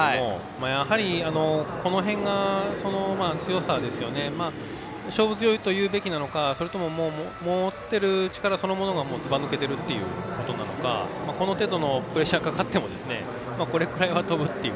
やはり、この辺が勝負強いというべきなのか持っている力そのものがずばぬけているということなのかこの程度のプレッシャーがかかってもこれぐらいのところ。という。